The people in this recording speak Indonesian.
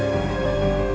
kau luar biasa